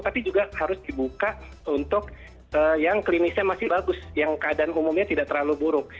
tapi juga harus dibuka untuk yang klinisnya masih bagus yang keadaan umumnya tidak terlalu buruk